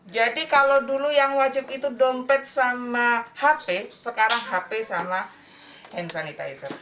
jadi kalau dulu yang wajib itu dompet sama hp sekarang hp sama hand sanitizer